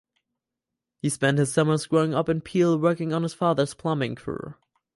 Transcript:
He spent his summers growing up in Peel working on his father’s plumbing crew.